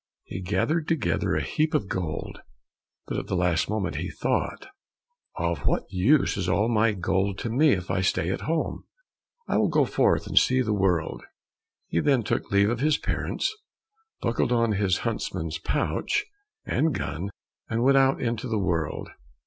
He gathered together a heap of gold, but at last he thought, "Of what use is all my gold to me if I stay at home? I will go forth and see the world." He then took leave of his parents, buckled on his huntsman's pouch and gun, and went out into the world.